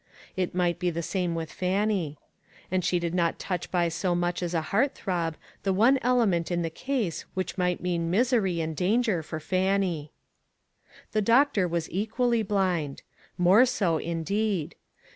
It might be the same with Fannie. And she did not touch by so much as a heart throb the one element in the case which might mean mis ery and danger for Fannie. The doctor was equally blind. More so, indeed.